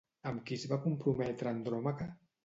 Amb qui es va comprometre Andròmaca?